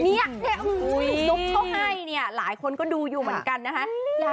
นี่ซุปเขาให้เนี่ยหลายคนก็ดูอยู่เหมือนกันนะคะ